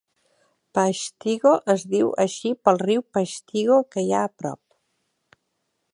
Peshtigo es diu així pel riu Peshtigo que hi ha a prop.